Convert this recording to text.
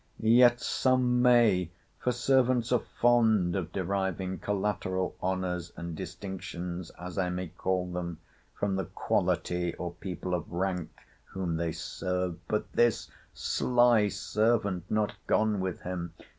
'Yet some may! for servants are fond of deriving collateral honours and distinctions, as I may call them, from the quality, or people of rank, whom they serve. But this sly servant not gone with him!